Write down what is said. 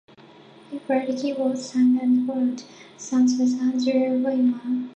He played keyboards, sang, and wrote songs with Andrew Latimer.